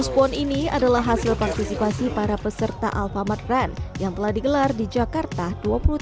dua tiga ratus pohon ini adalah hasil partisipasi para peserta alphamart run yang telah digelar di jakarta dua puluh tiga oktober